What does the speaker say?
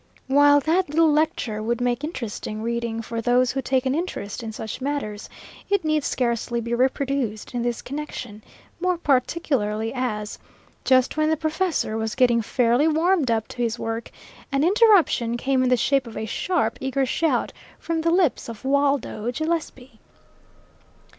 While that little lecture would make interesting reading for those who take an interest in such matters, it need scarcely be reproduced in this connection, more particularly as, just when the professor was getting fairly warmed up to his work, an interruption came in the shape of a sharp, eager shout from the lips of Waldo Gillespie.